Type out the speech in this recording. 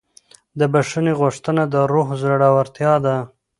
د بښنې غوښتنه د روح زړورتیا ده.